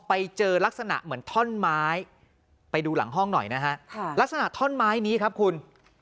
ไปเจอลักษณะเหมือนท่อนไม้ไปดูหลังห้องหน่อยนะฮะลักษณะท่อนไม้นี้ครับคุณ